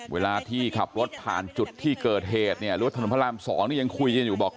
เวลาที่ขับรถผ่านจุดที่เกิดเหตุเนี่ยหรือว่าถนนพระราม๒นี่ยังคุยกันอยู่บอก